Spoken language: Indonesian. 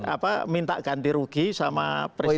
apa minta ganti rugi sama presiden